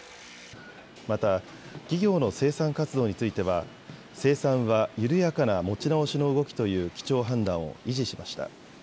また企業の生産活動については生産は緩やかな持ち直しの動きという基調判断を維持しました。